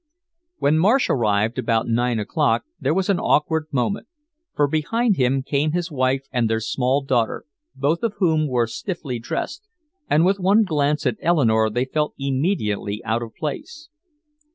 When Marsh arrived about nine o'clock, there was an awkward moment. For behind him came his wife and their small daughter, both of whom were stiffly dressed, and with one glance at Eleanore they felt immediately out of place.